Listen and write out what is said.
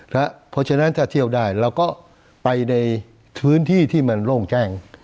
เพราะฉะนั้นถ้าเที่ยวได้เราก็ไปในพื้นที่ที่มันโล่งแจ้ง